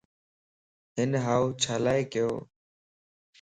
ھن ھاو ڇيلا ڪيو؟